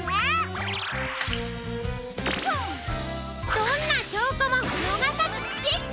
どんなしょうこものがさずスケッチ！